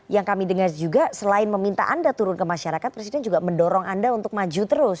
yang kami dengar juga selain meminta anda turun ke masyarakat presiden juga mendorong anda untuk maju terus